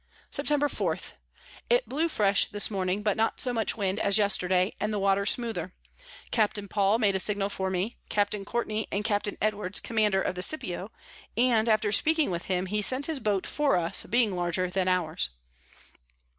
Septemb. 4. It blew fresh this Morning, but not so much Wind as Yesterday, and the Water smoother. Captain Paul made a Signal for me, Capt. Courtney, and Capt. Edwards Commander of the Scipio; and after speaking with him, he sent his Boat for us, being larger than ours.